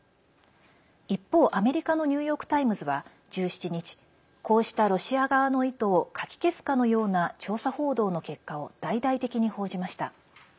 一方、アメリカのニューヨーク・タイムズは１７日こうしたロシア側の意図をかき消すかのような調査報道の結果を大々的に報じました。